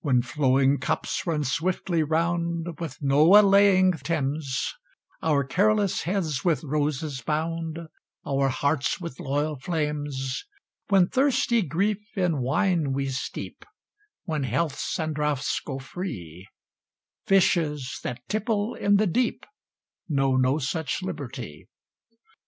When flowing cups run swiftly round With no allaying Thames, Our careless heads with roses bound, Our hearts with loyal flames; When thirsty grief in wine we steep, When healths and draughts go free Fishes that tipple in the deep Know no such liberty.